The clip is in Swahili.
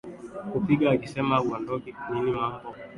kupiga akisema haondoki nini mambo